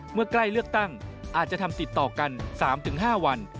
เมื่อใกล้เลือกตั้งอาจจะทำติดต่อกัน๓๕วัน